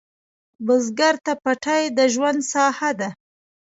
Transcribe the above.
بزګر ته پټی د ژوند ساحه ده